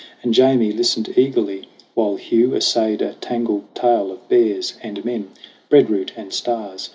And Jamie listened eagerly while Hugh Essayed a tangled tale of bears and men, Bread root and stars.